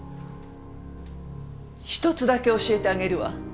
一つだけ教えてあげるわ。